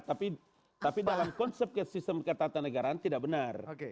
tapi dalam konsep sistem ketatanegaraan tidak benar